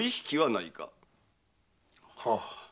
はあ。